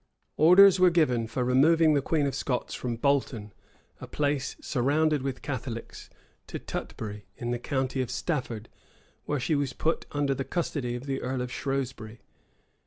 Orders were given for removing the queen of Scots from Bolton, a place surrounded with Catholics, to Tutbury, in the county of Stafford, where she was put under the custody of the earl of Shrewsbury.